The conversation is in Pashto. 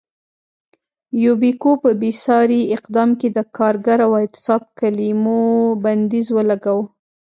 یوبیکو په بېساري اقدام کې د کارګر او اعتصاب کلیمو بندیز ولګاوه.